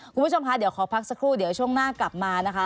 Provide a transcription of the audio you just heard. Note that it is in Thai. คุณผู้ชมคะเดี๋ยวขอพักสักครู่เดี๋ยวช่วงหน้ากลับมานะคะ